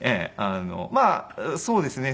まあそうですね